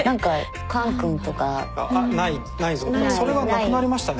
それはなくなりましたね